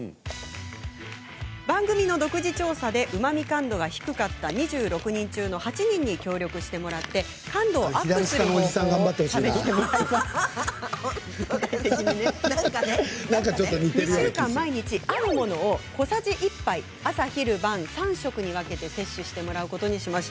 番組の独自調査でうまみ感度が低かった２６人中８人に協力してもらい感度をアップする方法を試してもらいます。